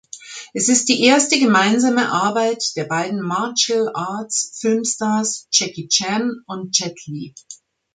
Es ist die erste gemeinsame Arbeit der beiden Martial-Arts-Filmstars Jackie Chan und Jet Li.